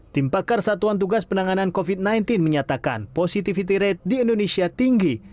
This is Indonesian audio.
tim pakar satuan tugas penanganan covid sembilan belas menyatakan positivity rate di indonesia tinggi